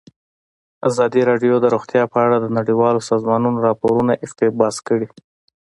ازادي راډیو د روغتیا په اړه د نړیوالو سازمانونو راپورونه اقتباس کړي.